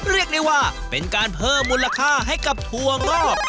เรียกได้ว่าเป็นการเพิ่มมูลค่าให้กับถั่วงอก